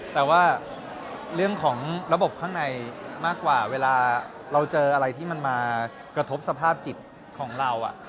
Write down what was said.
แต่ว่าเรื่องของระบบข้างในมากกว่าเวลาเราเจออะไรที่มันมากระทบสภาพจิตของเรา